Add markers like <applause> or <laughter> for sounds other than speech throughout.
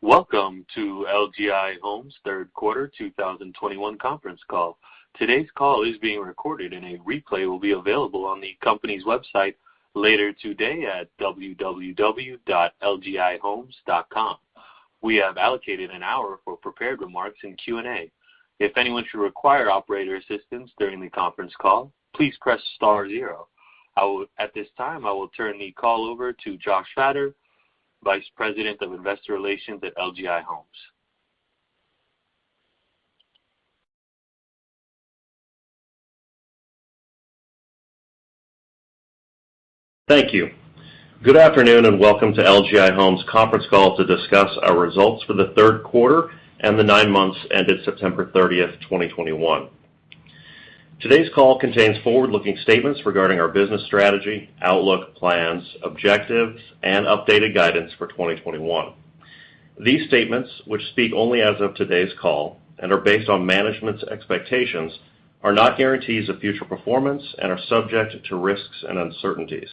Welcome to LGI Homes' third quarter 2021 conference call. Today's call is being recorded, and a replay will be available on the company's website later today at www.lgihomes.com. We have allocated an hour for prepared remarks and Q&A. If anyone should require operator assistance during the conference call, please press star zero. At this time, I will turn the call over to Joshua Fattor, Vice President of Investor Relations at LGI Homes. Thank you. Good afternoon, and welcome to LGI Homes conference call to discuss our results for the third quarter and the nine months ended September 30, 2021. Today's call contains forward-looking statements regarding our business strategy, outlook, plans, objectives, and updated guidance for 2021. These statements, which speak only as of today's call and are based on management's expectations, are not guarantees of future performance and are subject to risks and uncertainties.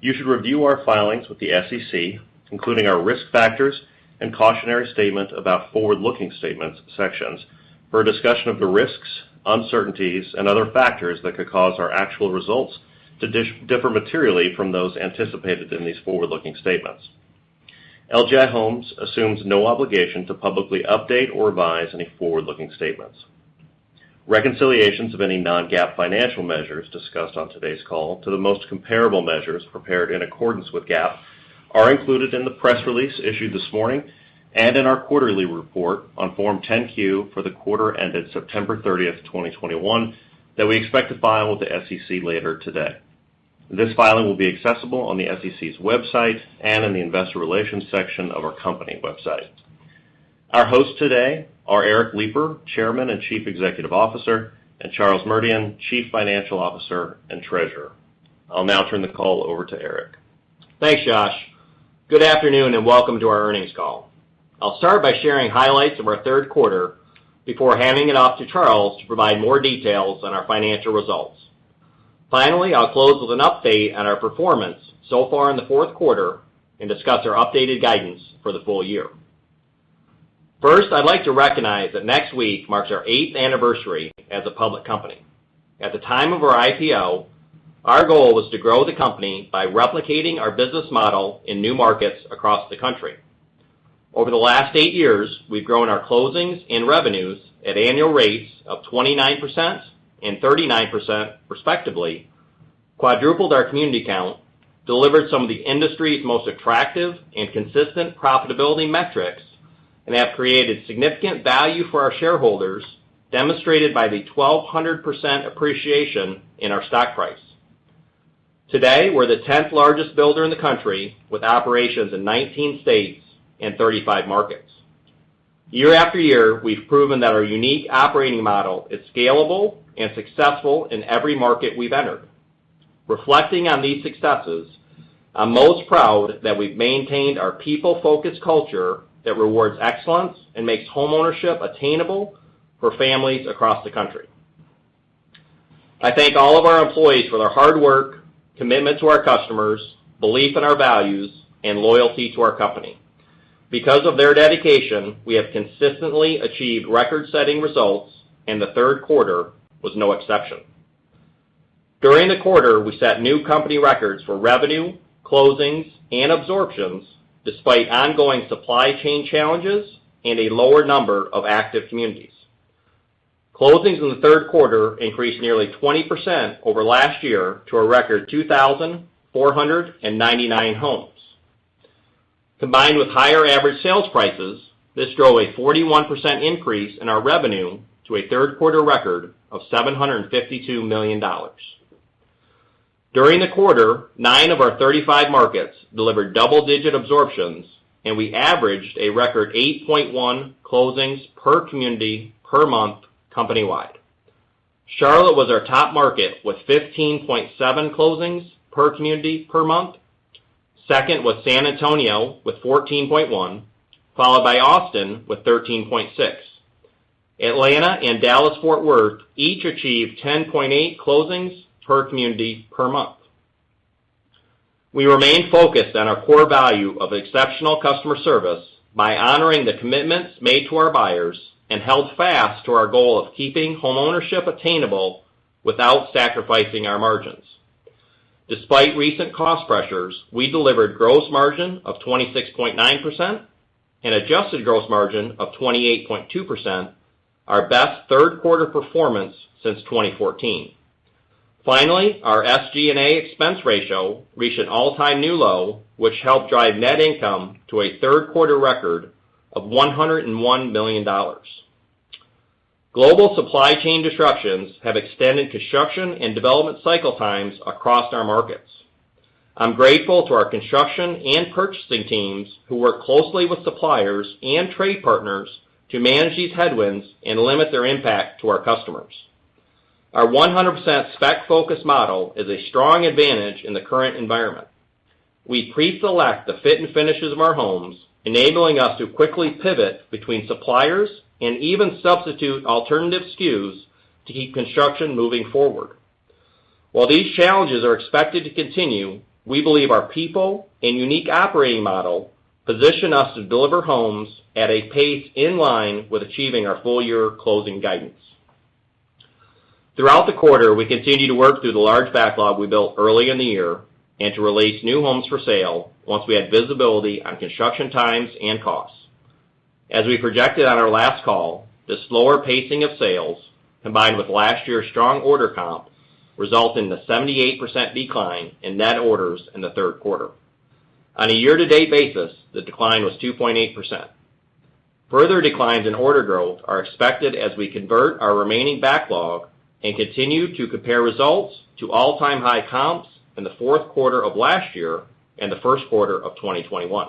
You should review our filings with the SEC, including our risk factors and cautionary statement about forward-looking statement sections, for a discussion of the risks, uncertainties and other factors that could cause our actual results to differ materially from those anticipated in these forward-looking statements. LGI Homes assumes no obligation to publicly update or revise any forward-looking statements. Reconciliations of any non-GAAP financial measures discussed on today's call to the most comparable measures prepared in accordance with GAAP are included in the press release issued this morning and in our quarterly report on Form 10-Q for the quarter ended September 30, 2021 that we expect to file with the SEC later today. This filing will be accessible on the SEC's website and in the investor relations section of our company website. Our hosts today are Eric Lipar, Chairman and Chief Executive Officer, and Charles Merdian, Chief Financial Officer and Treasurer. I'll now turn the call over to Eric. Thanks, Josh. Good afternoon, and welcome to our earnings call. I'll start by sharing highlights of our third quarter before handing it off to Charles to provide more details on our financial results. Finally, I'll close with an update on our performance so far in the fourth quarter and discuss our updated guidance for the full year. First, I'd like to recognize that next week marks our eighth anniversary as a public company. At the time of our IPO, our goal was to grow the company by replicating our business model in new markets across the country. Over the last eight years, we've grown our closings and revenues at annual rates of 29% and 39% respectively, quadrupled our community count, delivered some of the industry's most attractive and consistent profitability metrics, and have created significant value for our shareholders, demonstrated by the 1,200% appreciation in our stock price. Today, we're the tenth-largest builder in the country, with operations in 19 states and 35 markets. Year-after-year, we've proven that our unique operating model is scalable and successful in every market we've entered. Reflecting on these successes, I'm most proud that we've maintained our people-focused culture that rewards excellence and makes homeownership attainable for families across the country. I thank all of our employees for their hard work, commitment to our customers, belief in our values, and loyalty to our company. Because of their dedication, we have consistently achieved record-setting results, and the third quarter was no exception. During the quarter, we set new company records for revenue, closings, and absorptions despite ongoing supply chain challenges and a lower number of active communities. Closings in the third quarter increased nearly 20% over last year to a record 2,499 homes. Combined with higher average sales prices, this drove a 41% increase in our revenue to a third quarter record of $752 million. During the quarter, nine of our 35 markets delivered double-digit absorptions, and we averaged a record 8.1 closings per community per month company-wide. Charlotte was our top market with 15.7 closings per community per month. Second was San Antonio with 14.1, followed by Austin with 13.6. Atlanta and Dallas-Fort Worth each achieved 10.8 closings per community per month. We remain focused on our core value of exceptional customer service by honoring the commitments made to our buyers and held fast to our goal of keeping homeownership attainable without sacrificing our margins. Despite recent cost pressures, we delivered gross margin of 26.9% and adjusted gross margin of 28.2%, our best third quarter performance since 2014. Finally, our SG&A expense ratio reached an all-time new low, which helped drive net income to a third quarter record of $101 million. Global supply chain disruptions have extended construction and development cycle times across our markets. I'm grateful to our construction and purchasing teams who work closely with suppliers and trade partners to manage these headwinds and limit their impact to our customers. Our 100% spec-focused model is a strong advantage in the current environment. We pre-select the fit and finishes of our homes, enabling us to quickly pivot between suppliers and even substitute alternative SKUs to keep construction moving forward. While these challenges are expected to continue, we believe our people and unique operating model position us to deliver homes at a pace in line with achieving our full year closing guidance. Throughout the quarter, we continued to work through the large backlog we built early in the year and to release new homes for sale once we had visibility on construction times and costs. As we projected on our last call, the slower pacing of sales, combined with last year's strong order comp, result in the 78% decline in net orders in the third quarter. On a year-to-date basis, the decline was 2.8%. Further declines in order growth are expected as we convert our remaining backlog and continue to compare results to all-time high comps in the fourth quarter of last year and the first quarter of 2021.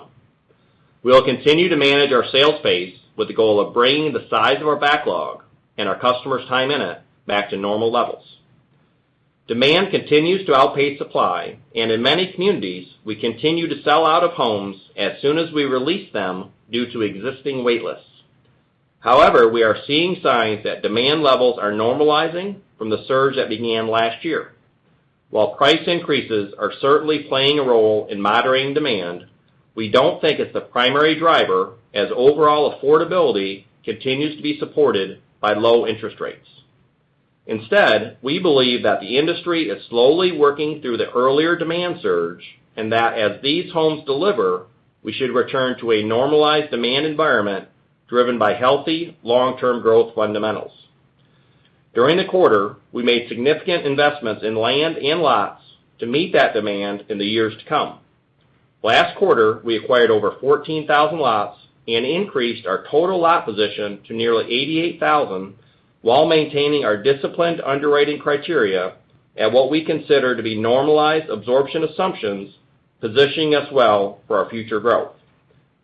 We will continue to manage our sales pace with the goal of bringing the size of our backlog and our customers' time in it back to normal levels. Demand continues to outpace supply, and in many communities, we continue to sell out of homes as soon as we release them due to existing wait lists. However, we are seeing signs that demand levels are normalizing from the surge that began last year. While price increases are certainly playing a role in moderating demand, we don't think it's the primary driver as overall affordability continues to be supported by low interest rates. Instead, we believe that the industry is slowly working through the earlier demand surge, and that as these homes deliver, we should return to a normalized demand environment driven by healthy long-term growth fundamentals. During the quarter, we made significant investments in land and lots to meet that demand in the years to come. Last quarter, we acquired over 14,000 lots and increased our total lot position to nearly 88,000 while maintaining our disciplined underwriting criteria at what we consider to be normalized absorption assumptions, positioning us well for our future growth.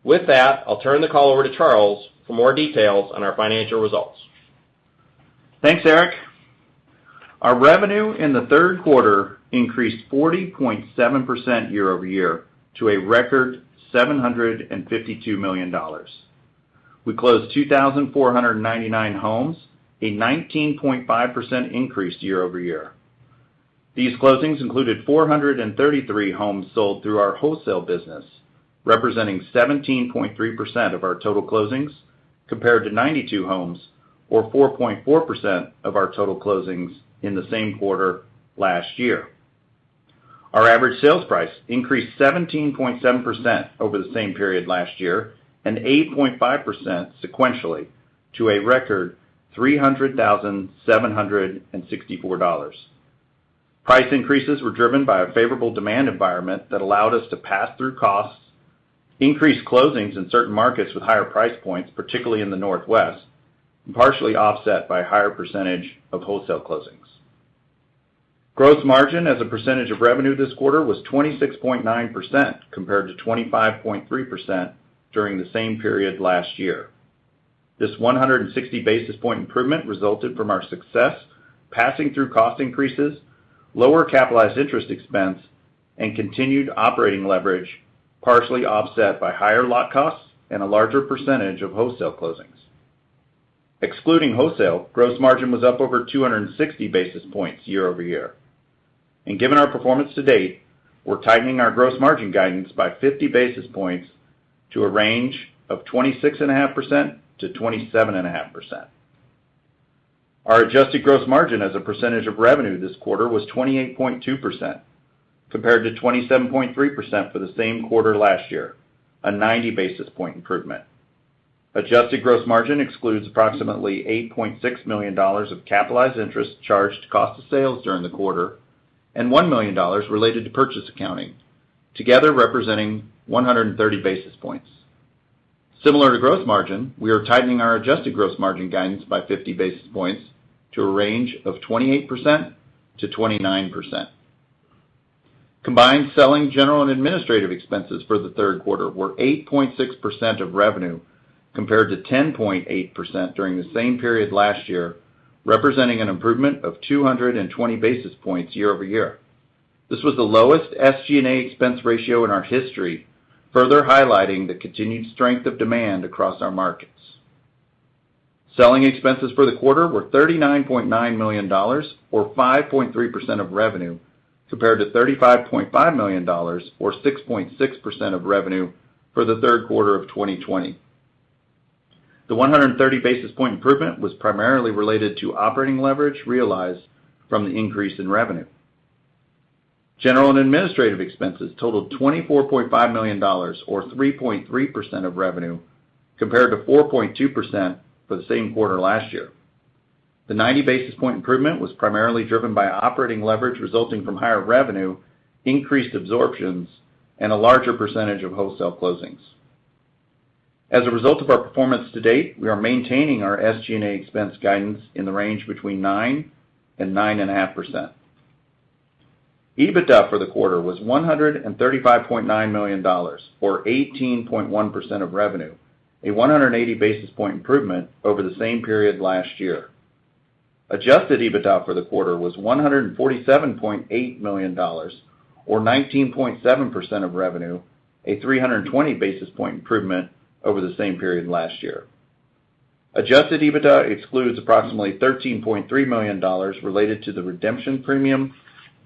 With that, I'll turn the call over to Charles for more details on our financial results. Thanks, Eric. Our revenue in the third quarter increased 40.7% year-over-year to a record $752 million. We closed 2,499 homes, a 19.5% increase year-over-year. These closings included 433 homes sold through our wholesale business, representing 17.3% of our total closings, compared to 92 homes or 4.4% of our total closings in the same quarter last year. Our average sales price increased 17.7% over the same period last year, and 8.5% sequentially to a record $300,764. Price increases were driven by a favorable demand environment that allowed us to pass through costs, increase closings in certain markets with higher price points, particularly in the Northwest, and partially offset by a higher percentage of wholesale closings. Gross margin as a percentage of revenue this quarter was 26.9% compared to 25.3% during the same period last year. This 160 basis point improvement resulted from our success passing through cost increases, lower capitalized interest expense, and continued operating leverage, partially offset by higher lot costs and a larger percentage of wholesale closings. Excluding wholesale, gross margin was up over 260 basis points year-over-year. And given our performance to date, we're tightening our gross margin guidance by 50 basis points to a range of 26.5%-27.5%. Our adjusted gross margin as a percentage of revenue this quarter was 28.2% compared to 27.3% for the same quarter last year, a 90 basis points improvement. Adjusted gross margin excludes approximately $8.6 million of capitalized interest charged to cost of sales during the quarter and $1 million related to purchase accounting, together representing 130 basis points. Similar to gross margin, we are tightening our adjusted gross margin guidance by 50 basis points to a range of 28%-29%. Combined selling, general, and administrative expenses for the third quarter were 8.6% of revenue compared to 10.8% during the same period last year, representing an improvement of 220 basis points year-over-year. This was the lowest SG&A expense ratio in our history, further highlighting the continued strength of demand across our markets. Selling expenses for the quarter were $39.9 million or 5.3% of revenue compared to $35.5 million or 6.6% of revenue for the third quarter of 2020. The 130 basis point improvement was primarily related to operating leverage realized from the increase in revenue. General and administrative expenses totaled $24.5 million or 3.3% of revenue compared to 4.2% for the same quarter last year. The 90 basis point improvement was primarily driven by operating leverage resulting from higher revenue, increased absorptions, and a larger percentage of wholesale closings. As a result of our performance to date, we are maintaining our SG&A expense guidance in the range between 9%-9.5%. EBITDA for the quarter was $135.9 million or 18.1% of revenue, a 180 basis point improvement over the same period last year. Adjusted EBITDA for the quarter was $147.8 million or 19.7% of revenue, a 320 basis point improvement over the same period last year. Adjusted EBITDA excludes approximately $13.3 million related to the redemption premium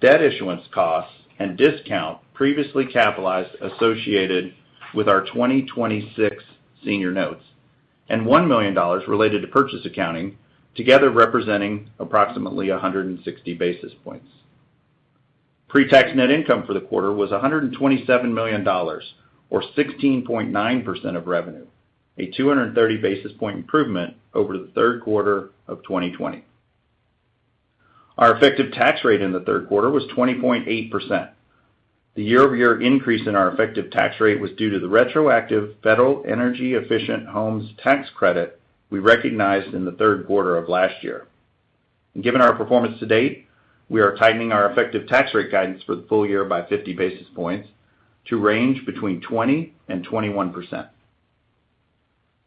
debt issuance costs and discount previously capitalized associated with our 2026 senior notes and $1 million related to purchase accounting, together representing approximately 160 basis points. Pre-tax net income for the quarter was $127 million or 16.9% of revenue, a 230 basis point improvement over the third quarter of 2020. Our effective tax rate in the third quarter was 20.8%. The year-over-year increase in our effective tax rate was due to the Retroactive Federal Energy Efficient Homes Tax Credit we recognized in the third quarter of last year. Given our performance to date, we are tightening our effective tax rate guidance for the full year by 50 basis points to range between 20%-21%.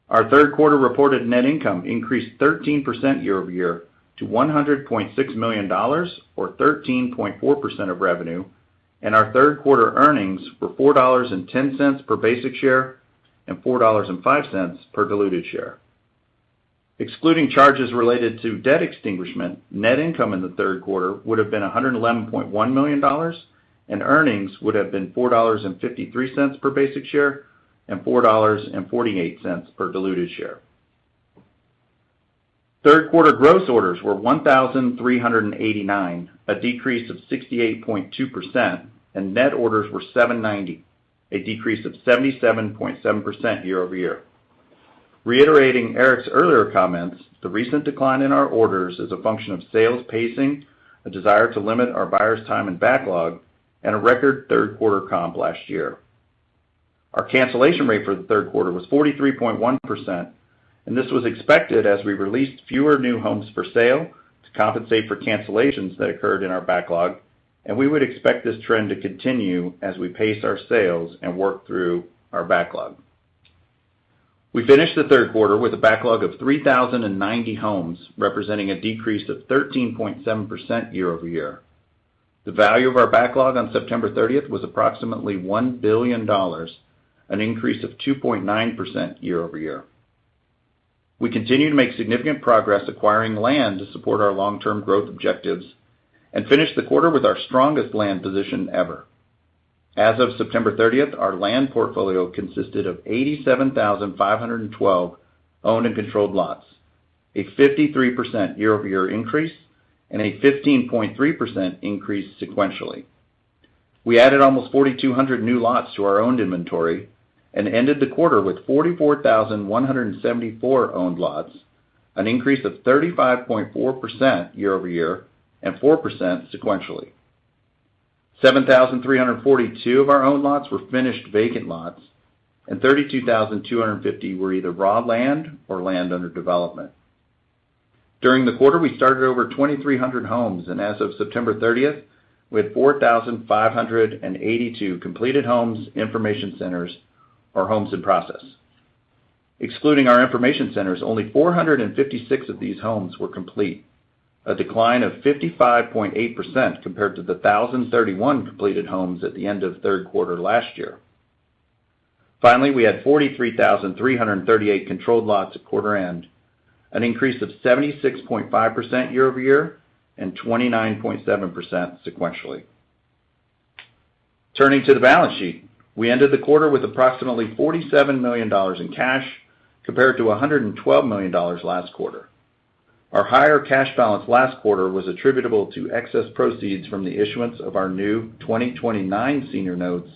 Our third quarter reported net income increased 13% year-over-year to $100.6 million or 13.4% of revenue, and our third quarter earnings were $4.10 per basic share and $4.05 per diluted share. Excluding charges related to debt extinguishment, net income in the third quarter would have been $111.1 million, and earnings would have been $4.53 per basic share and $4.48 per diluted share. Third quarter gross orders were 1,389, a decrease of 68.2%, and net orders were 790, a decrease of 77.7% year-over-year. Reiterating Eric's earlier comments, the recent decline in our orders is a function of sales pacing, a desire to limit our buyers' time and backlog, and a record third-quarter comp last year. Our cancellation rate for the third quarter was 43.1%, and this was expected as we released fewer new homes for sale to compensate for cancellations that occurred in our backlog. And we would expect this trend to continue as we pace our sales and work through our backlog. We finished the third quarter with a backlog of 3,090 homes, representing a decrease of 13.7% year-over-year. The value of our backlog on September thirtieth was approximately $1 billion, an increase of 2.9% year-over-year. We continue to make significant progress acquiring land to support our long-term growth objectives and finished the quarter with our strongest land position ever. As of September 30, our land portfolio consisted of 87,512 owned and controlled lots, a 53% year-over-year increase and a 15.3% increase sequentially. We added almost 4,200 new lots to our owned inventory and ended the quarter with 44,174 owned lots, an increase of 35.4% year-over-year and 4% sequentially. 7,342 of our owned lots were finished vacant lots, and 32,250 were either raw land or land under development. During the quarter, we started over 2,300 homes, and as of September 30, we had 4,582 completed homes, information centers or homes in process. Excluding our information centers, only 456 of these homes were complete, a decline of 55.8% compared to the 1,031 completed homes at the end of third quarter last year. Finally, we had 43,338 controlled lots at quarter end, an increase of 76.5% year-over-year and 29.7% sequentially. Turning to the balance sheet, we ended the quarter with approximately $47 million in cash compared to $112 million last quarter. Our higher cash balance last quarter was attributable to excess proceeds from the issuance of our new 2029 senior notes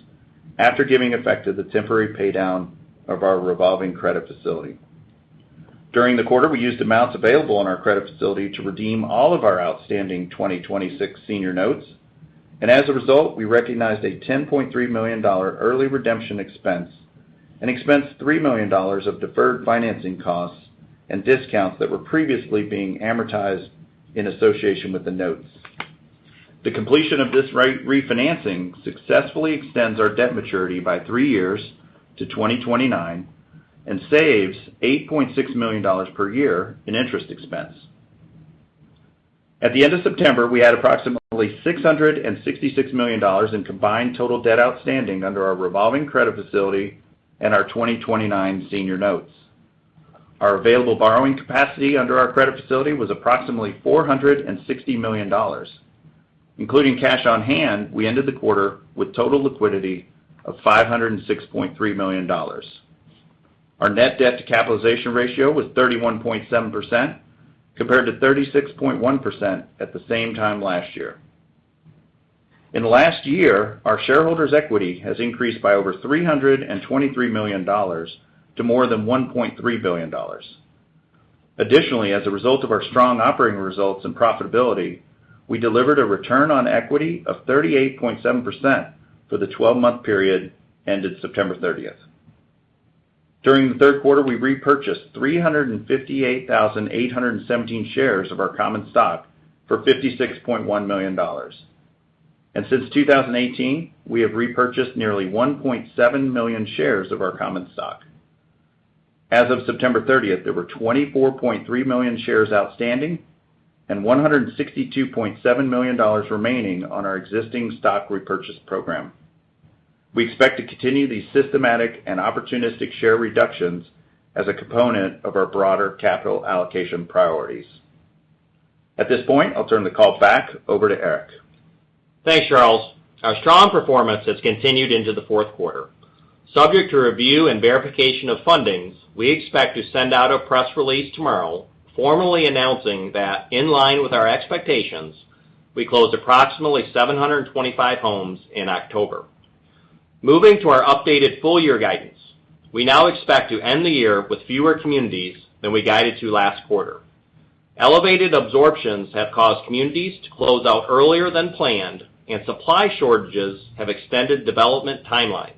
after giving effect to the temporary paydown of our revolving credit facility. During the quarter, we used amounts available on our credit facility to redeem all of our outstanding 2026 senior notes, and as a result, we recognized a $10.3 million early redemption expense and expensed $3 million of deferred financing costs and discounts that were previously being amortized in association with the notes. The completion of this refinancing successfully extends our debt maturity by three years to 2029 and saves $8.6 million per year in interest expense. At the end of September, we had approximately $666 million in combined total debt outstanding under our revolving credit facility and our 2029 senior notes. Our available borrowing capacity under our credit facility was approximately $460 million. Including cash on hand, we ended the quarter with total liquidity of $506.3 million. Our net debt to capitalization ratio was 31.7% compared to 36.1% at the same time last year. In the last year, our shareholders' equity has increased by over $323 million to more than $1.3 billion. Additionally, as a result of our strong operating results and profitability, we delivered a return on equity of 38.7% for the twelve-month period ended September 30. During the third quarter, we repurchased 358,817 shares of our common stock for $56.1 million. Since 2018, we have repurchased nearly 1.7 million shares of our common stock. As of September 30th, there were 24.3 million shares outstanding and $162.7 million remaining on our existing stock repurchase program. We expect to continue these systematic and opportunistic share reductions as a component of our broader capital allocation priorities. At this point, I'll turn the call back over to Eric. Thanks, Charles. Our strong performance has continued into the fourth quarter. Subject to review and verification of fundings, we expect to send out a press release tomorrow formally announcing that in line with our expectations, we closed approximately 725 homes in October. Moving to our updated full year guidance, we now expect to end the year with fewer communities than we guided to last quarter. Elevated absorptions have caused communities to close out earlier than planned, and supply shortages have extended development timelines.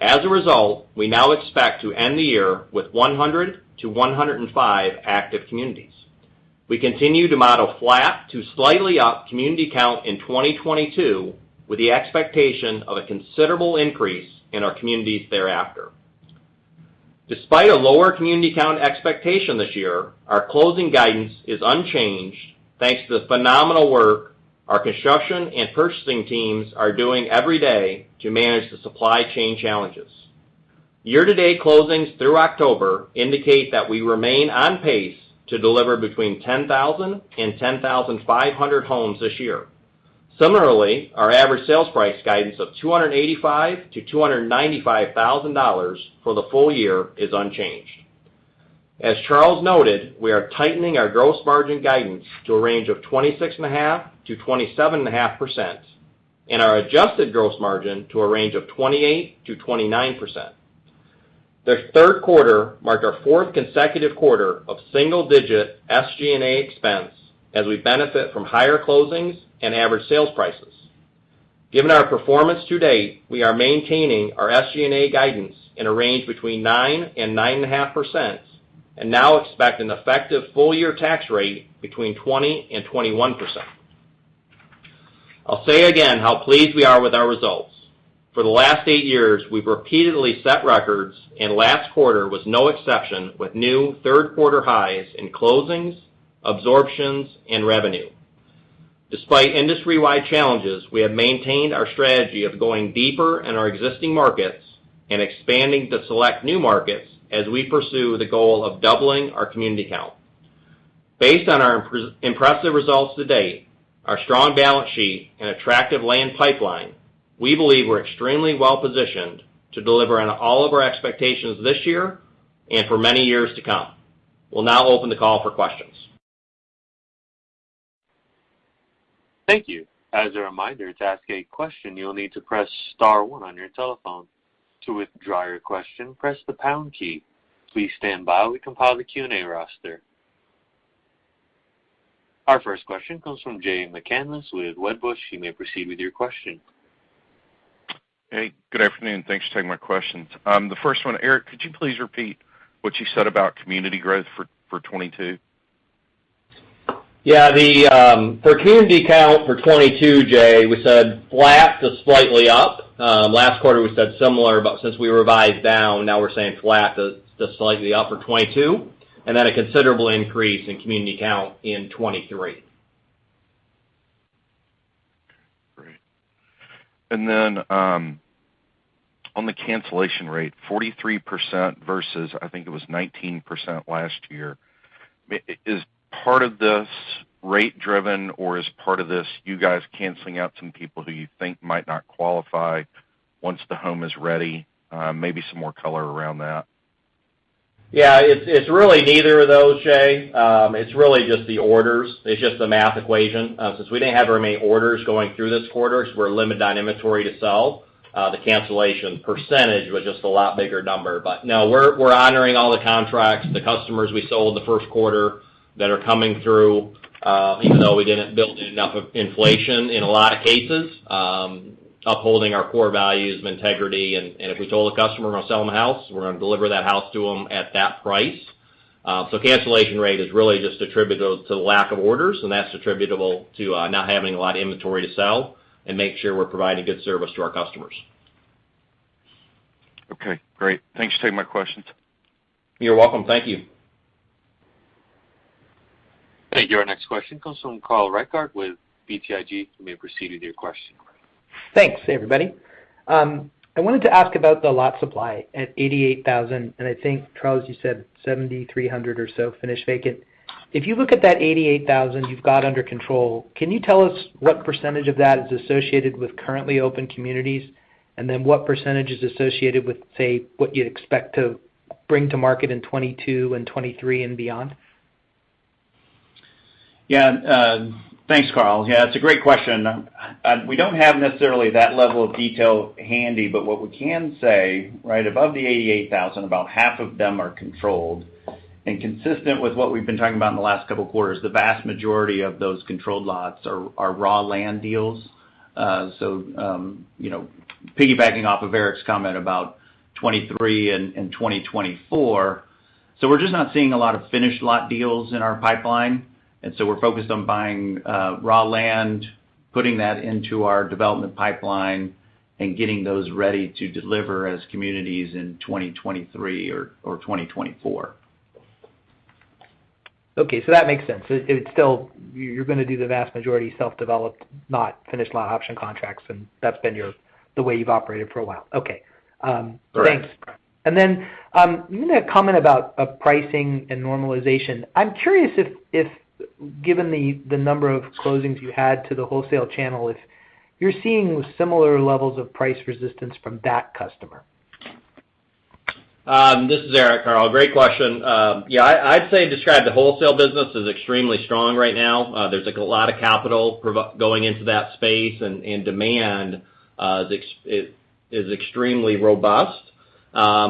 As a result, we now expect to end the year with 100-105 active communities. We continue to model flat to slightly up community count in 2022, with the expectation of a considerable increase in our communities thereafter. Despite a lower community count expectation this year, our closing guidance is unchanged, thanks to the phenomenal work our construction and purchasing teams are doing every day to manage the supply chain challenges. Year-to-date closings through October indicate that we remain on pace to deliver between 10,000 and 10,500 homes this year. Similarly, our average sales price guidance of $285,000-$295,000 for the full year is unchanged. As Charles noted, we are tightening our gross margin guidance to a range of 26.5%-27.5%, and our adjusted gross margin to a range of 28%-29%. The third quarter marked our fourth consecutive quarter of single-digit SG&A expense as we benefit from higher closings and average sales prices. Given our performance to date, we are maintaining our SG&A guidance in a range between 9% and 9.5%, and now expect an effective full year tax rate between 20% and 21%. I'll say again how pleased we are with our results. For the last eight years, we've repeatedly set records, and last quarter was no exception, with new third quarter highs in closings, absorptions, and revenue. Despite industry-wide challenges, we have maintained our strategy of going deeper in our existing markets and expanding to select new markets as we pursue the goal of doubling our community count. Based on our impressive results to date, our strong balance sheet and attractive land pipeline, we believe we're extremely well-positioned to deliver on all of our expectations this year and for many years to come. We'll now open the call for questions. Thank you. As a reminder, to ask a question you need to press star one on your telephone. To withdraw your question, press the pound key. Please stand by for [Q&A after]. Our first question comes from Jay McCanless with Wedbush. You may proceed with your question. Hey, good afternoon. Thanks for taking my questions. The first one, Eric, could you please repeat what you said about community growth for 2022? Yeah. The for community count for 2022, Jay, we said flat to slightly up. Last quarter, we said similar, but since we revised down, now we're saying flat to slightly up for 2022, and then a considerable increase in community count in 2023. Great. On the cancellation rate, 43% versus, I think it was 19% last year, is part of this rate driven or is part of this you guys canceling out some people who you think might not qualify once the home is ready? Maybe some more color around that. Yeah, it's really neither of those, Jay. It's really just the orders. It's just the math equation. Since we didn't have very many orders going through this quarter, we're limited on inventory to sell, the cancellation percentage was just a lot bigger number. No, we're honoring all the contracts, the customers we sold the first quarter that are coming through, even though we didn't build in enough of inflation in a lot of cases, upholding our core values of integrity, and if we told a customer we're gonna sell them a house, we're gonna deliver that house to them at that price. Cancellation rate is really just attributable to the lack of orders, and that's attributable to not having a lot of inventory to sell and make sure we're providing good service to our customers. Okay, great. Thanks for taking my questions. You're welcome. Thank you. Thank you. Our next question comes from Carl Reichardt with BTIG. You may proceed with your question. Thanks, everybody. I wanted to ask about the lot supply at 88,000, and I think, Charles, you said 7,300 or so finished vacant. If you look at that 88,000 you've got under control, can you tell us what percentage of that is associated with currently open communities? What percentage is associated with, say, what you'd expect to bring to market in 2022 and 2023 and beyond? Yeah. Thanks, Carl. Yeah, it's a great question. We don't have necessarily that level of detail handy, but what we can say, right now, about the 88,000, about half of them are controlled. Consistent with what we've been talking about in the last couple of quarters, the vast majority of those controlled lots are raw land deals. You know, piggybacking off of Eric's comment about 2023 and 2024, we're just not seeing a lot of finished lot deals in our pipeline. We're focused on buying raw land, putting that into our development pipeline, and getting those ready to deliver as communities in 2023 or 2024. Okay, that makes sense. It's still. You're gonna do the vast majority self-developed, not finished lot option contracts, and that's been the way you've operated for a while. Okay. Correct. Thanks. Then, you made a comment about pricing and normalization. I'm curious if, given the number of closings you had to the wholesale channel, you're seeing similar levels of price resistance from that customer. This is Eric, Carl. Great question. Yeah, I'd say describe the wholesale business as extremely strong right now. There's like a lot of capital going into that space, and demand is extremely robust.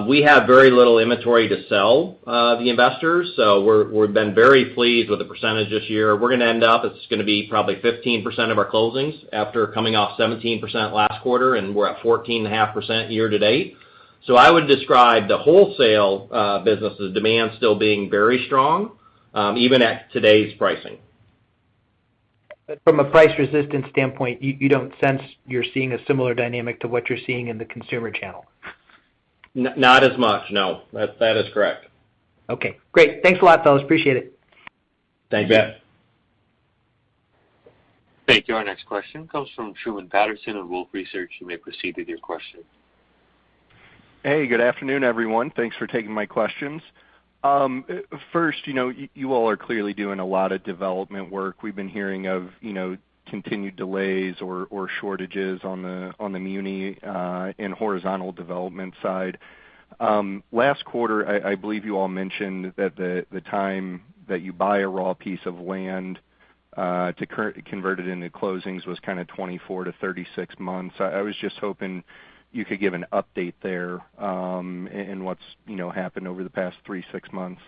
We have very little inventory to sell to the investors, so we've been very pleased with the percentage this year. We're gonna end up, it's gonna be probably 15% of our closings after coming off 17% last quarter, and we're at 14.5% year-to-date. I would describe the wholesale business' demand still being very strong, even at today's pricing. From a price resistance standpoint, you don't sense you're seeing a similar dynamic to what you're seeing in the consumer channel? Not as much, no. That is correct. Okay, great. Thanks a lot, fellas. Appreciate it. Thanks. You bet. Thank you. Our next question comes from Truman Patterson of Wolfe Research. You may proceed with your question. Hey, good afternoon, everyone. Thanks for taking my questions. First, you all are clearly doing a lot of development work. We've been hearing of continued delays or shortages on the muni- and horizontal development side. Last quarter, I believe you all mentioned that the time that you buy a raw piece of land to convert it into closings was kind of 24-36 months. I was just hoping you could give an update there, and what's happened over the past 3-6 months.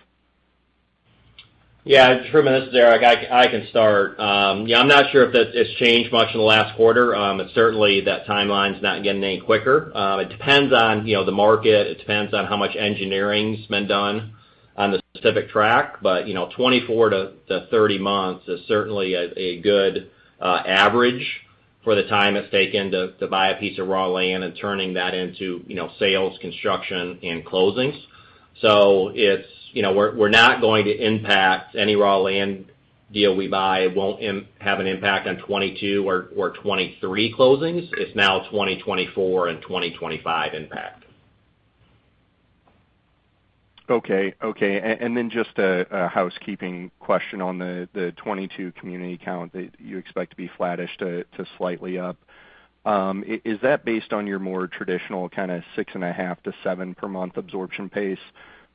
Yeah, Truman, this is Eric. I can start. Yeah, I'm not sure if that has changed much in the last quarter. Certainly that timeline's not getting any quicker. It depends on, you know, the market. It depends on how much engineering's been done on the specific track. You know, 24-30 months is certainly a good average for the time it's taken to buy a piece of raw land and turning that into, you know, sales, construction, and closings. You know, we're not going to impact any raw land deal we buy. It won't have an impact on 2022 or 2023 closings. It's now 2024 and 2025 impact. Okay. Just a housekeeping question on the 2022 community count that you expect to be flattish to slightly up. Is that based on your more traditional kind of 6.5-7 per month absorption pace,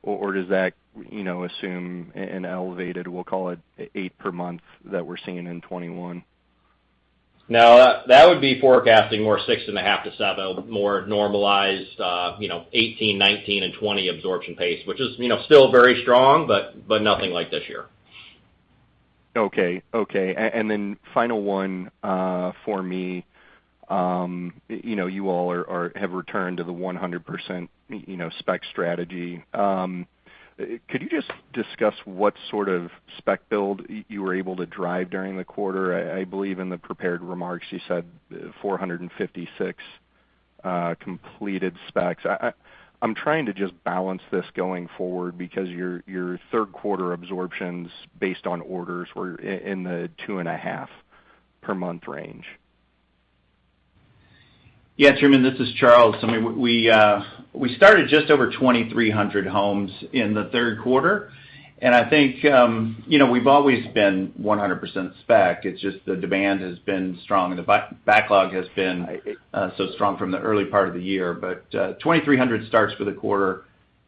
or does that, you know, assume an elevated, we'll call it eight per month, that we're seeing in 2021? No. That would be forecasting more 6.5-7, more normalized, you know, 2018, 2019, and 2020 absorption pace, which is, you know, still very strong, but nothing like this year. Okay. Final one for me. You know, you all have returned to the 100% spec strategy. You know, could you just discuss what sort of spec build you were able to drive during the quarter? I believe in the prepared remarks you said 456 completed specs. I'm trying to just balance this going forward because your third quarter absorptions based on orders were in the 2.5 per month range. Yeah, Truman, this is Charles. I mean, we started just over 2,300 homes in the third quarter, and I think, you know, we've always been 100% spec. It's just the demand has been strong and the backlog has been so strong from the early part of the year. 2,300 starts for the quarter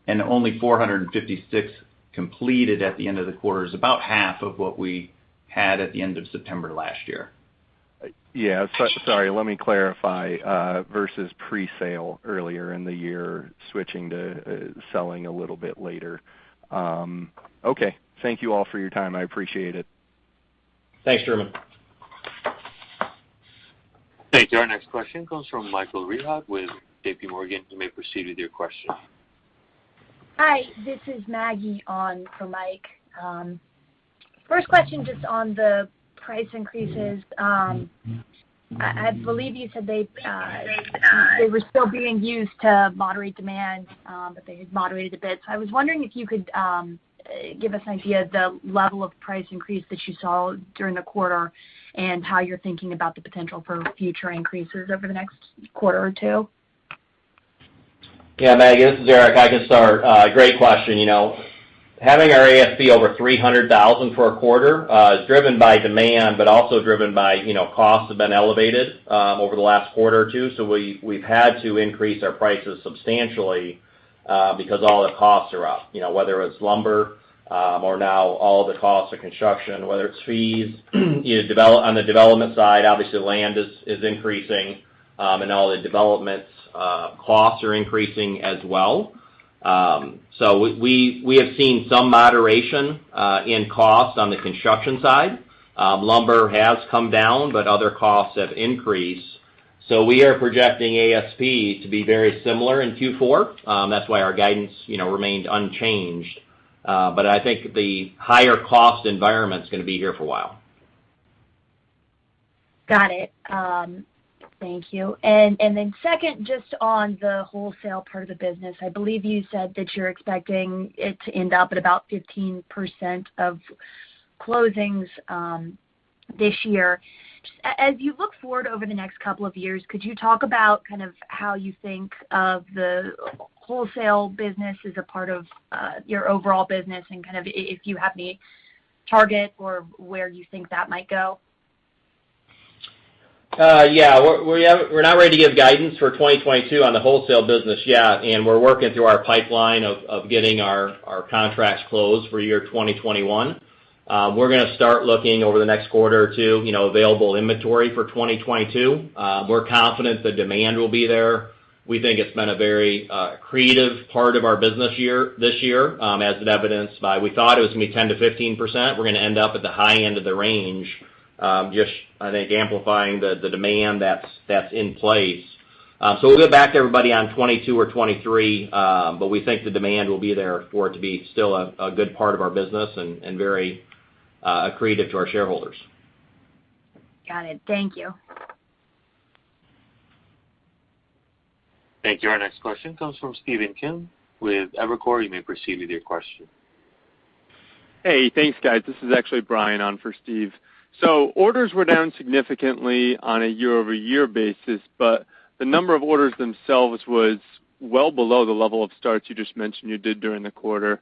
and only 456 completed at the end of the quarter is about half of what we had at the end of September last year. Yeah. Sorry, let me clarify versus presale earlier in the year, switching to selling a little bit later. Okay. Thank you all for your time. I appreciate it. Thanks, Truman. Thank you. Our next question comes from Michael Rehaut with J.P. Morgan. You may proceed with your question. Hi, this is Maggie on for Mike. First question just on the price increases. I believe you said they were still being used to moderate demand, but they had moderated a bit. I was wondering if you could give us an idea of the level of price increase that you saw during the quarter and how you're thinking about the potential for future increases over the next quarter or two. Yeah, Maggie, this is Eric. I can start. Great question. You know, having our ASP over $300,000 for a quarter is driven by demand but also driven by, you know, costs have been elevated over the last quarter or two. We've had to increase our prices substantially because all the costs are up, you know, whether it's lumber or now all the costs of construction, whether it's fees. You know, on the development side, obviously land is increasing, and all the development costs are increasing as well. So, we have seen some moderation in costs on the construction side. Lumber has come down, but other costs have increased. We are projecting ASP to be very similar in Q4. That's why our guidance remained unchanged. I think the higher cost environment's gonna be here for a while. Got it. Thank you. Then second, just on the wholesale part of the business. I believe you said that you're expecting it to end up at about 15% of closings, this year. Just as you look forward over the next couple of years, could you talk about kind of how you think of the wholesale business as a part of your overall business and kind of if you have any target or where you think that might go? Yeah. We're not ready to give guidance for 2022 on the wholesale business yet, and we're working through our pipeline of getting our contracts closed for year 2021. We're gonna start looking over the next quarter or two, you know, available inventory for 2022. We're confident the demand will be there. We think it's been a very creative part of our business year, this year, as evidenced by we thought it was gonna be 10%-15%. We're gonna end up at the high end of the range, just, I think, amplifying the demand that's in place. We'll get back to everybody on 2022 or 2023, but we think the demand will be there for it to be still a good part of our business and very accretive to our shareholders. Got it. Thank you. Thank you. Our next question comes from Stephen Kim with Evercore. You may proceed with your question. Hey, thanks, guys. This is actually Brian on for Steve. Orders were down significantly on a year-over-year basis, but the number of orders themselves was well below the level of starts you just mentioned you did during the quarter.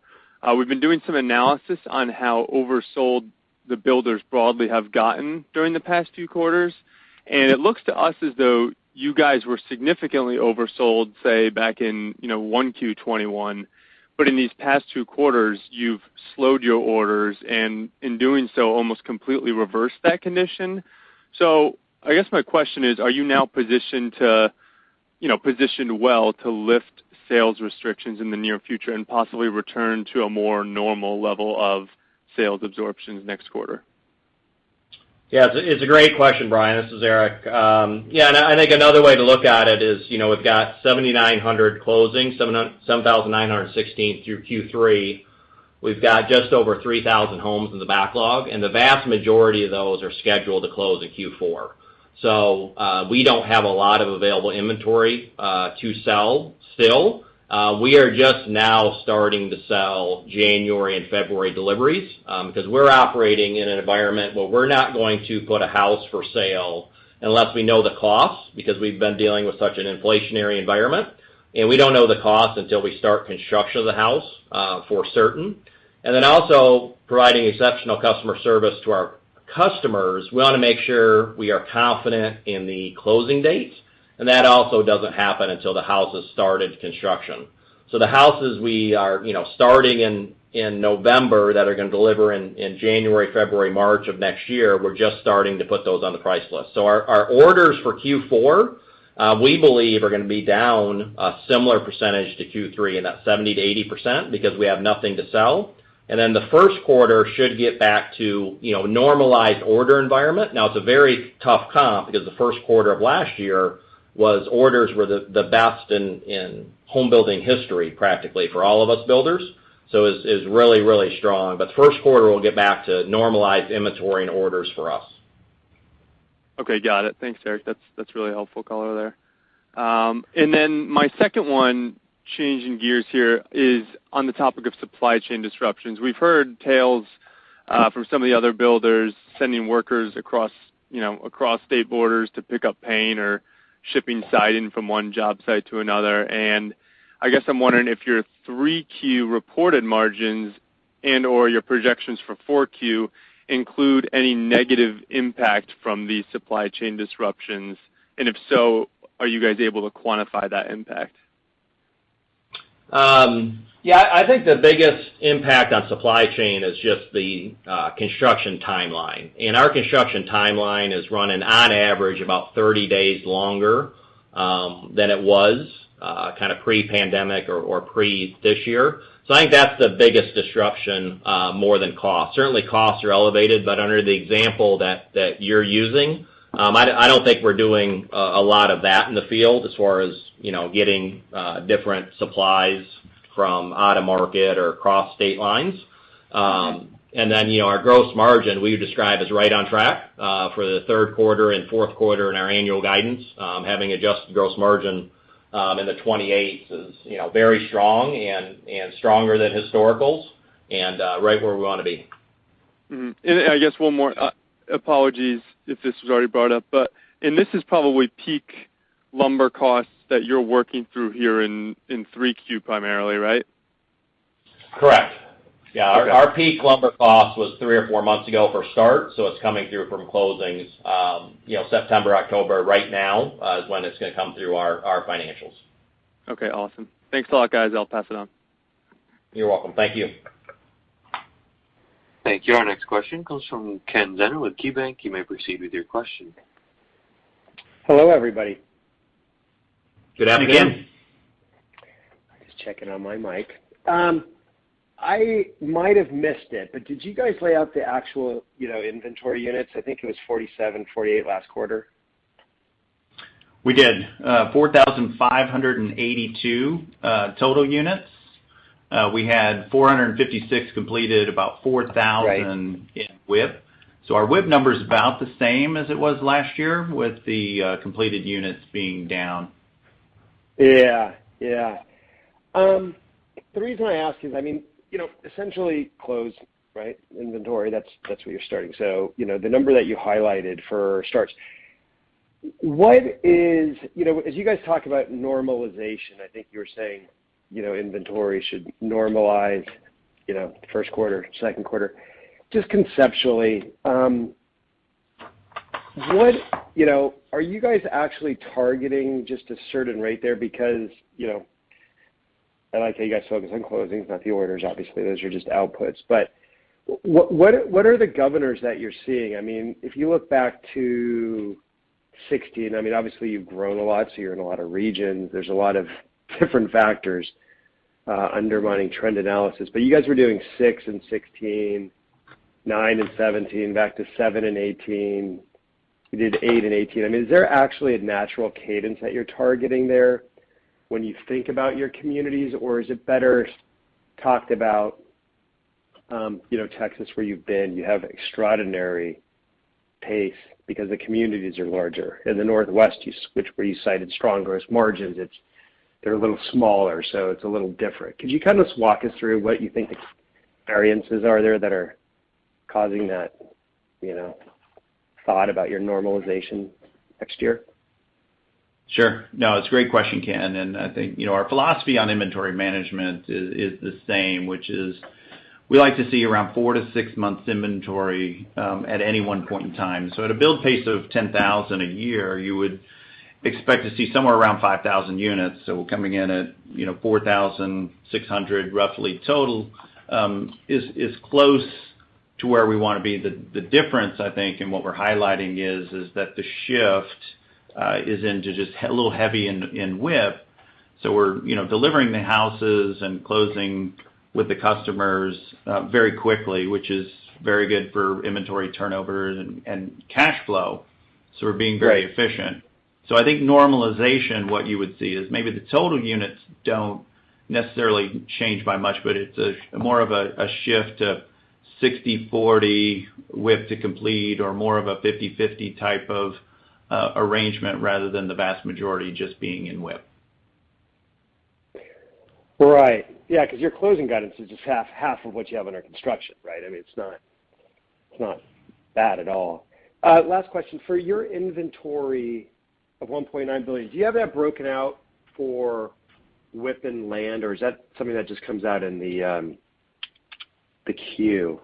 We've been doing some analysis on how oversold the builders broadly have gotten during the past few quarters, and it looks to us as though you guys were significantly oversold, say, back in, you know, 1Q 2021. In these past two quarters, you've slowed your orders and, in doing so, almost completely reversed that condition. I guess my question is, are you now positioned to, you know, positioned well to lift sales restrictions in the near future and possibly return to a more normal level of sales absorptions next quarter? Yeah, it's a great question, Brian. This is Eric. Yeah, and I think another way to look at it is, you know, we've got 7,900 closings, 7,916 through Q3. We've got just over 3,000 homes in the backlog, and the vast majority of those are scheduled to close in Q4. We don't have a lot of available inventory to sell still. We are just now starting to sell January and February deliveries, because we're operating in an environment where we're not going to put a house for sale unless we know the cost, because we've been dealing with such an inflationary environment. We don't know the cost until we start construction of the house for certain. Then also providing exceptional customer service to our customers. We wanna make sure we are confident in the closing dates, and that also doesn't happen until the house has started construction. The houses we are, you know, starting in November that are gonna deliver in January, February, March of next year, we're just starting to put those on the price list. Our orders for Q4 we believe are gonna be down a similar percentage to Q3 in that 70%-80% because we have nothing to sell. Then the first quarter should get back to, you know, normalized order environment. Now, it's a very tough comp because the first quarter of last year, orders were the best in home building history, practically for all of us builders. It's really strong. The first quarter will get back to normalized inventory and orders for us. Okay, got it. Thanks, Eric. That's really helpful color there. And then my second one, changing gears here, is on the topic of supply chain disruptions. We've heard tales from some of the other builders sending workers across, you know, across state borders to pick up paint or shipping siding from one job site to another. I guess I'm wondering if your 3Q reported margins and/or your projections for 4Q include any negative impact from the supply chain disruptions. If so, are you guys able to quantify that impact? Yeah, I think the biggest impact on supply chain is just the construction timeline. Our construction timeline is running on average about 30 days longer than it was kind of pre-pandemic or pre this year. I think that's the biggest disruption more than cost. Certainly, costs are elevated, but under the example that you're using, I don't think we're doing a lot of that in the field as far as you know, getting different supplies from out of market or across state lines. You know, our gross margin we would describe as right on track for the third quarter and fourth quarter in our annual guidance. Having adjusted gross margin in the 28% is you know, very strong and stronger than historical and right where we want to be. I guess one more. Apologies if this was already brought up, but this is probably peak lumber costs that you're working through here in 3Q primarily, right? Correct. Yeah. Okay. Our peak lumber cost was three or four months ago for starts, so it's coming through from closings, you know, September, October. Right now is when it's gonna come through our financials. Okay, awesome. Thanks a lot, guys. I'll pass it on. You're welcome. Thank you. Thank you. Our next question comes from Kenneth Zener with KeyBanc. You may proceed with your question. Hello, everybody. Good afternoon. I was checking on my mic. I might have missed it, but did you guys lay out the actual, you know, inventory units? I think it was 47, 48 last quarter. We did 4,582 total units. We had 456 completed, about 4,000- Right... <crosstalk> in WIP. Our WIP number is about the same as it was last year with the completed units being down. The reason I ask is, I mean, you know, essentially closings, right, inventory, that's what you're starting. You know, the number that you highlighted for starts. What is. You know, as you guys talk about normalization, I think you were saying, you know, inventory should normalize, you know, first quarter, second quarter. Just conceptually, what, you know, are you guys actually targeting just a certain rate there because, you know, I like how you guys focus on closings, not the orders, obviously, those are just outputs. But what are the governors that you're seeing? I mean, if you look back to 2016, I mean, obviously, you've grown a lot, so you're in a lot of regions. There's a lot of different factors undermining trend analysis. You guys were doing six in 2016, nine in 2017, back to seven in 2018. You did eight in 2018. I mean, is there actually a natural cadence that you're targeting there when you think about your communities? Or is it better talked about, you know, Texas, where you've been, you have extraordinary pace because the communities are larger. In the Northwest, you switch where you cited strong gross margins, it's they're a little smaller, so it's a little different. Could you kind of walk us through what you think the variances are there that are causing that, you know, talk about your normalization next year? Sure. No, it's a great question, Ken. I think, you know, our philosophy on inventory management is the same, which is we like to see around 4-6 months inventory at any one point in time. At a build pace of 10,000 a year, you would expect to see somewhere around 5,000 units. Coming in at, you know, 4,600 roughly total is close to where we wanna be. The difference, I think, and what we're highlighting is that the shift is into just a little heavy in WIP. We're, you know, delivering the houses and closing with the customers very quickly, which is very good for inventory turnovers and cash flow. We're being very efficient. I think normalization, what you would see is maybe the total units don't necessarily change by much, but it's a more of a shift of 60/40 WIP to complete or more of a 50/50 type of arrangement rather than the vast majority just being in WIP. Right. Yeah, 'cause your closing guidance is just half of what you have under construction, right? I mean, it's not bad at all. Last question. For your inventory of $1.9 billion, do you have that broken out for WIP and land, or is that something that just comes out in the Q?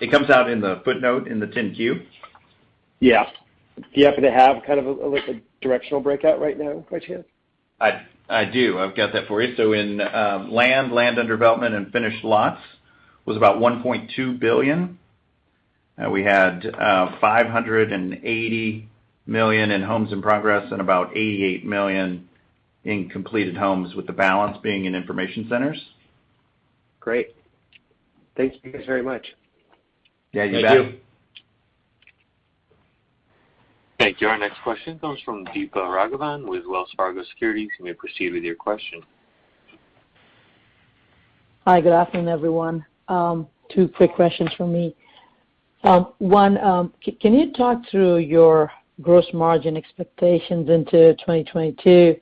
It comes out in the footnote in the 10-Q. Yeah. Do you happen to have kind of a, like a directional breakout right now by chance? I do. I've got that for you. In land under development and finished lots was about $1.2 billion. We had $580 million in homes in progress and about $88 million in completed homes, with the balance being in information centers. Great. Thank you guys very much. Yeah, you bet. Thank you. Our next question comes from Deepa Raghavan with Wells Fargo Securities. You may proceed with your question. Hi, good afternoon, everyone. Two quick questions from me. One, can you talk through your gross margin expectations into 2022?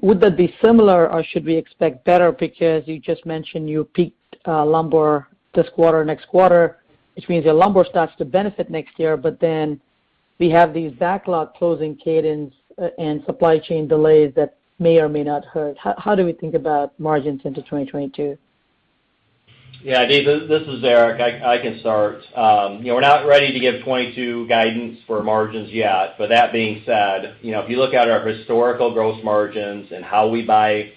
Would that be similar, or should we expect better because you just mentioned you peaked lumber this quarter, next quarter, which means your lumber starts to benefit next year. We have these backlog closing cadence and supply chain delays that may or may not hurt. How do we think about margins into 2022? Yeah. Deep, this is Eric. I can start. You know, we're not ready to give 2022 guidance for margins yet. That being said, you know, if you look at our historical gross margins and how we buy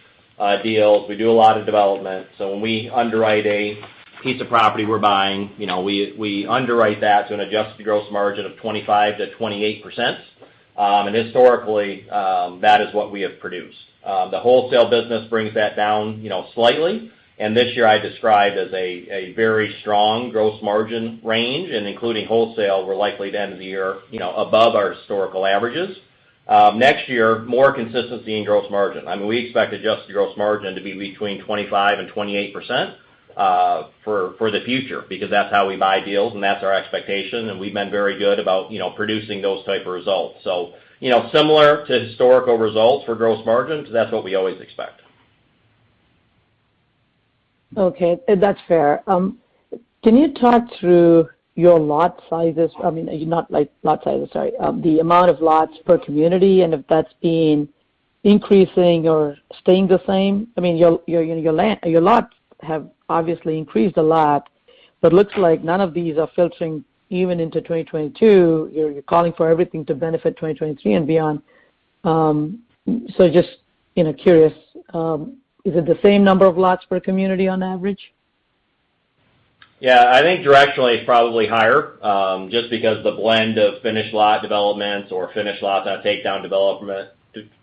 deals, we do a lot of development. When we underwrite a piece of property we're buying, you know, we underwrite that to an adjusted gross margin of 25%-28%. Historically, that is what we have produced. The wholesale business brings that down, you know, slightly. This year, I described as a very strong gross margin range. Including wholesale, we're likely to end the year, you know, above our historical averages. Next year, more consistency in gross margin. I mean, we expect adjusted gross margin to be between 25%-28% for the future because that's how we buy deals, and that's our expectation, and we've been very good about, you know, producing those type of results. You know, similar to historical results for gross margins, that's what we always expect. Okay. That's fair. Can you talk through the amount of lots per community and if that's been increasing or staying the same? I mean, your land, your lots have obviously increased a lot, but looks like none of these are filtering even into 2022. You're calling for everything to benefit 2023 and beyond. Just, you know, curious, is it the same number of lots per community on average? Yeah. I think directionally, it's probably higher, just because the blend of finished lot developments or finished lots on takedown development,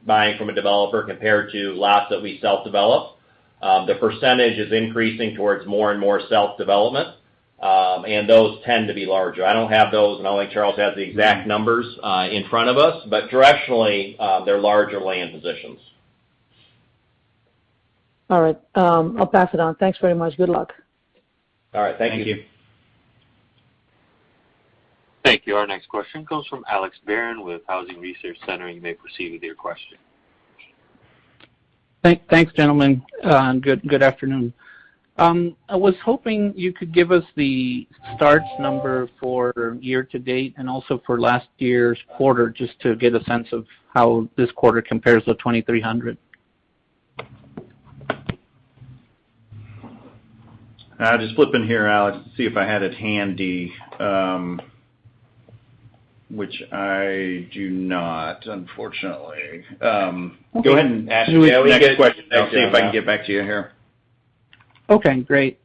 buying from a developer compared to lots that we self-develop. The percentage is increasing towards more and more self-development, and those tend to be larger. I don't have those, and I don't think Charles has the exact numbers in front of us, but directionally, they're larger land positions. All right. I'll pass it on. Thanks very much. Good luck. All right. Thank you. Thank you. Our next question comes from Alex Barron with Housing Research Center. You may proceed with your question. Thanks, gentlemen. Good afternoon. I was hoping you could give us the starts number for year-to-date and also for last year's quarter, just to get a sense of how this quarter compares to 2,300. I'll just flip in here, Alex, to see if I had it handy, which I do not, unfortunately. Okay. <crosstalk> Go ahead and ask the next question. I'll see if I can get back to you here. Okay, great.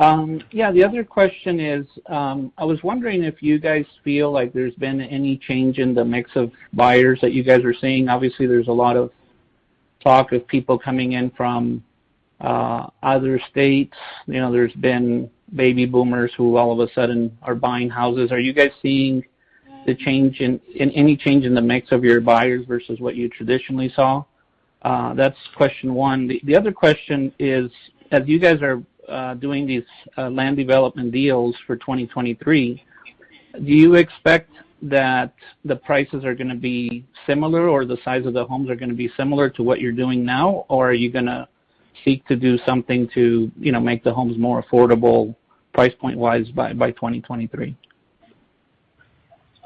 Yeah, the other question is, I was wondering if you guys feel like there's been any change in the mix of buyers that you guys are seeing. Obviously, there's a lot of talk of people coming in from other states. You know, there's been baby boomers who all of a sudden are buying houses. Are you guys seeing any change in the mix of your buyers versus what you traditionally saw? That's question one. The other question is, as you guys are doing these land development deals for 2023, do you expect that the prices are gonna be similar or the size of the homes are gonna be similar to what you're doing now? Or are you gonna seek to do something to, you know, make the homes more affordable price point-wise by 2023?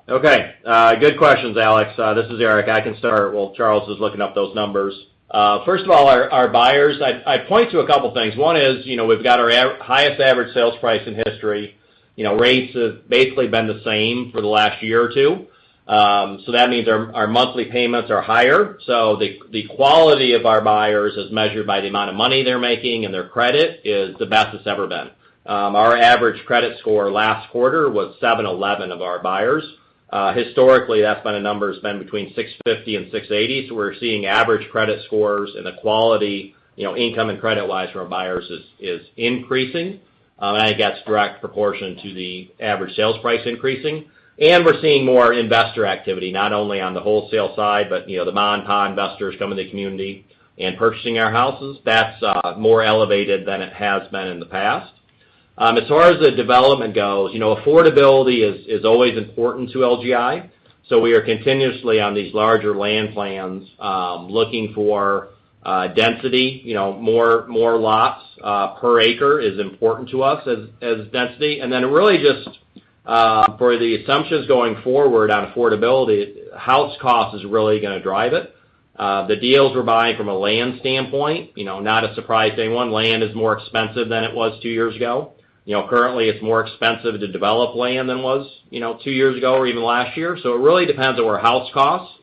Good questions, Alex. This is Eric. I can start while Charles is looking up those numbers. First of all, our buyers, I'd point to a couple things. One is, you know, we've got our highest average sales price in history. You know, rates have basically been the same for the last year or two. So that means our monthly payments are higher. So the quality of our buyers as measured by the amount of money they're making and their credit is the best it's ever been. Our average credit score last quarter was 711 of our buyers. Historically, that's been a number that's been between 650 and 680. So we're seeing average credit scores and the quality, you know, income and credit-wise for our buyers is increasing. I think that's direct proportion to the average sales price increasing. We're seeing more investor activity, not only on the wholesale side, but, you know, the ma and pa investors come into the community and purchasing our houses. That's more elevated than it has been in the past. As far as the development goes, you know, affordability is always important to LGI. We are continuously on these larger land plans, looking for density. You know, more lots per acre is important to us as density. Really just for the assumptions going forward on affordability, house cost is really gonna drive it. The deals we're buying from a land standpoint, you know, not a surprise to anyone, land is more expensive than it was two years ago. You know, currently, it's more expensive to develop land than it was, you know, two years ago or even last year. It really depends on where housing costs.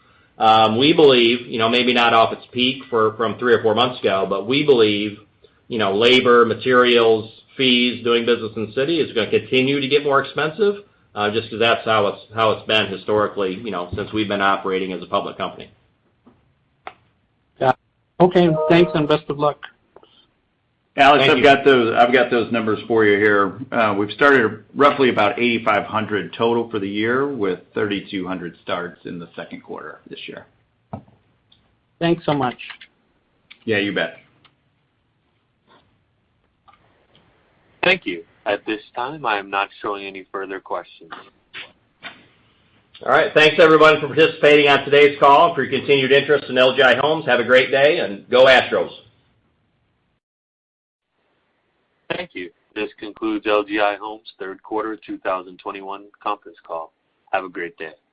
We believe, you know, maybe not off its peak from three or four months ago, but we believe, you know, labor, materials, fees, doing business in the City is gonna continue to get more expensive, just because that's how it's been historically, you know, since we've been operating as a public company. Yeah. Okay. Thanks, and best of luck. Alex, I've got those numbers for you here. We've started roughly about 8,500 total for the year, with 3,200 starts in the second quarter this year. Thanks so much. Yeah, you bet. Thank you. At this time, I am not showing any further questions. All right. Thanks, everyone, for participating on today's call and for your continued interest in LGI Homes. Have a great day, and go [Astros]. Thank you. This concludes LGI Homes' third quarter of 2021 conference call. Have a great day.